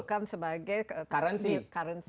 bukan sebagai currency